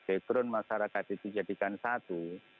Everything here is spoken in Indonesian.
background masyarakat itu jadikan satu